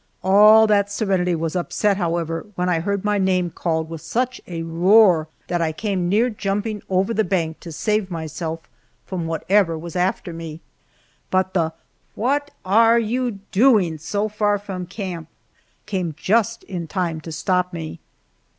All that serenity was upset, however, when I heard my name called with such a roar that I came near jumping over the bank to save myself from whatever was after me, but the "What are you doing so far from camp?" came just in time to stop me.